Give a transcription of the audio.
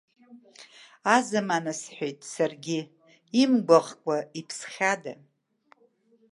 Азамана сҳәеит, саргьы, имгәыӷкәа иԥсхьада.